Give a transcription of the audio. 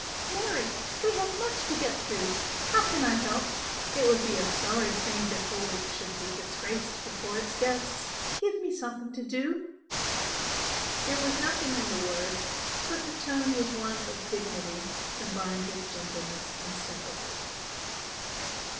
"Marry, we have much to get through. How can I help? It would be a sorry thing that Holwick should be disgraced before its guests. Give me something to do." There was nothing in the words, but the tone was one of dignity combined with gentleness and sympathy.